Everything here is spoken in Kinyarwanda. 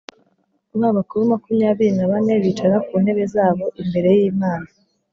Ba bakuru makumyabiri na bane bicara ku ntebe zabo imbere y’Imana,